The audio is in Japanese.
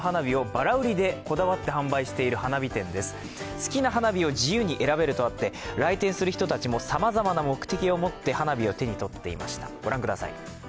好きな花火を自由に選べるとあって、来店する人たちも、さまざまな目的を持って花火を手に取っていました。